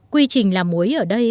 quy trình làm muối ở đây